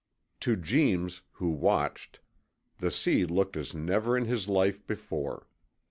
To Jeems, who watched, the sea looked as never in his life before.